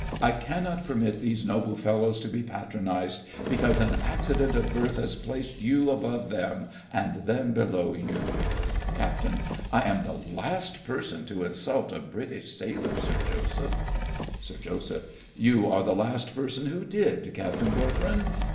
I cannot permit these noble fellows to be patronised because an accident of birth has placed you above them and them below you. CAPT. I am the last person to insult a British sailor, Sir Joseph. SIR JOSEPH. You are the last person who did, Captain Corcoran.